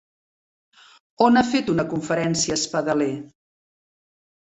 On ha fet una conferència Espadaler?